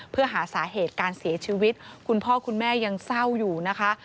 เพื่อหาสาเหตุการเสียชีวิตคุณพ่อคุณแม่ยังเศร้าอยู่นะคะ